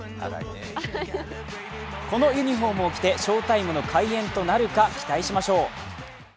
このユニフォームを着て翔タイムの開演となるか、期待しましょう。